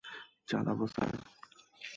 চালাব, স্যার!